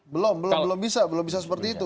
belum belum bisa belum bisa seperti itu